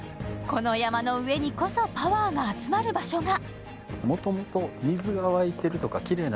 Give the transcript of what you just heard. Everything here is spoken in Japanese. この山の上にこそパワーが集まる場所が。